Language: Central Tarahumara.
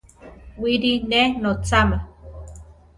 Wiʼri ne notzama.